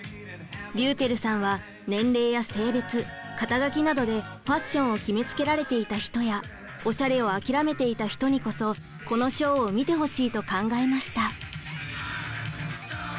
りゅうちぇるさんは年齢や性別肩書などでファッションを決めつけられていた人やおしゃれを諦めていた人にこそこのショーを見てほしいと考えました。